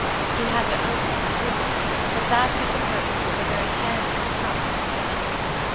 He had to own that he couldn't; but that, he supposed, was the very head and front of his offending.